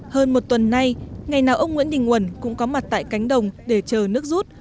hơn một tuần nay ngày nào ông nguyễn đình nguồn cũng có mặt tại cánh đồng để chờ nước rút